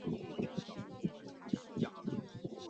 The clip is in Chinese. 这起炮击也代表政府军在为强攻城镇预作准备的行动。